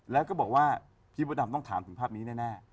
แล้วก็บอกว่าพี่มดดำต้องถามถึงภาพนี้แน่